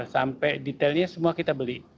sampai detailnya semua kita beli